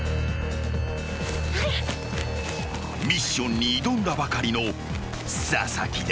［ミッションに挑んだばかりの佐々木だ］